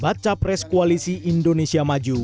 baca pres koalisi indonesia maju